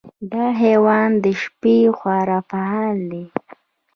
دا حیوان د شپې خورا فعال دی.